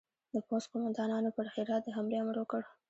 د پوځ قوماندانانو پر هرات د حملې امر ورکړ.